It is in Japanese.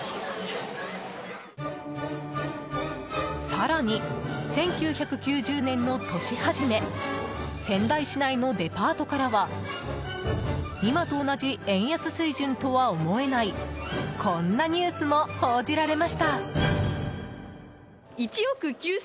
更に１９９０年の年初め仙台市内のデパートからは今と同じ円安水準とは思えないこんなニュースも報じられました。